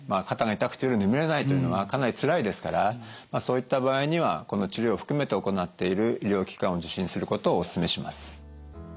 肩が痛くて夜眠れないというのはかなりつらいですからそういった場合にはこの治療を含めて行っている医療機関を受診することをお勧めします。